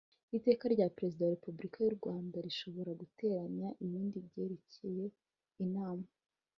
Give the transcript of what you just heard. Iteka rya Perezida wa Repubulika y u Rwanda rishobora guteganya ibindi byerekeye Inama